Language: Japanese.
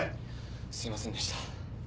すいませんでした。